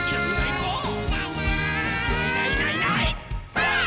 ばあっ！